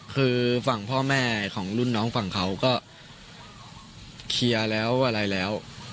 คือฝั่งพ่อแม่ของรุ่นน้องฝั่งเขาก็เคลียร์แล้วอะไรแล้ว